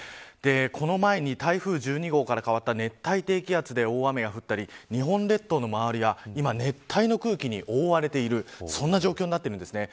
この前に台風１２号から変わった熱帯低気圧で大雨が降ったり日本列島の周りが今熱帯の空気に覆われているそんな状況になってるんですね。